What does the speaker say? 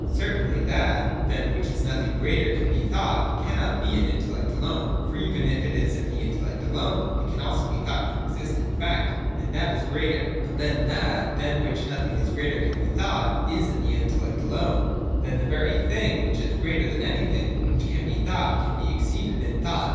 (Certainly that, than which nothing greater can be thought, cannot be in the intellect alone. For even if it is in the intellect alone, it can also be thought to exist in fact : and that is greater. If then that, than which nothing greater can be thought, is in the intellect alone ; then the very thing, which is greater than anything which can be thought, can be exceeded in thought.